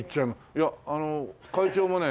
いやあの会長もね